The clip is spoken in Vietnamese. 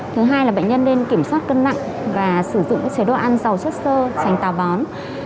thứ hai là bệnh nhân nên kiểm soát cân nặng và sử dụng chế độ ăn giàu chất sơ trành tào bón